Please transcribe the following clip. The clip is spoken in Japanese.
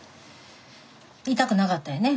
いたくなかったんやね。